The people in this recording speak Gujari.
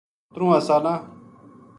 ترواں سالا ں